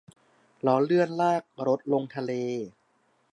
ล้อเลื่อนลากรถลงทะเล